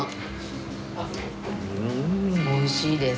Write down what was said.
おいしいです。